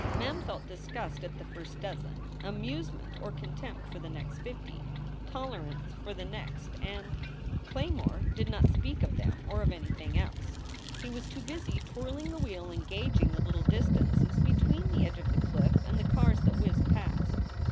Mem felt disgust at the first dozen, amuse ment or contempt for the next fifty, tolerance for the next, and Claymore did not speak of them or of anything else. He was too busy twirling the wheel and gauging the little dis tances between the edge of the cliff and the cars that whizzed past.